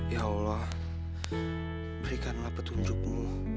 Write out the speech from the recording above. ya allah berikanlah petunjukmu